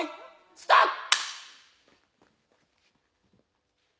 スタート。